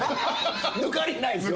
抜かりないっすよね。